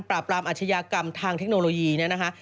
ปราบรามอาชญากรรมทางเทคโนโลยีเนี่ยนะคะ